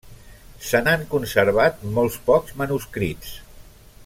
Se n'han conservat molt pocs manuscrits.